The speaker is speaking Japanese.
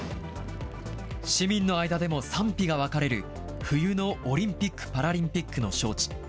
市民の間でも賛否が分かれる、冬のオリンピック・パラリンピックの招致。